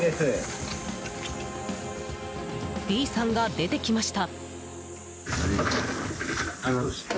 Ｂさんが出てきました。